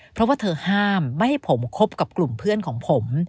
เพราะว่าเธอห้ามไม่ให้ผมคบกับกลุ่มเพื่อนของผม